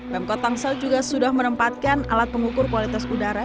pemkot tangsel juga sudah menempatkan alat pengukur kualitas udara